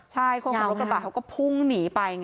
ใช่คนขับรถกระบะเขาก็พุ่งหนีไปไง